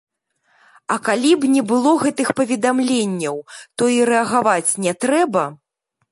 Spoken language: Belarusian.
А калі б не было гэтых паведамленняў, то і рэагаваць не трэба?